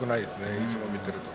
いつも見ていると。